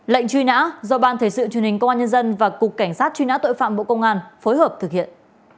lệnh truy nã do ban thể sự truyền hình công an nhân dân và cục cảnh sát truy nã tội phạm bộ công an phối hợp thực hiện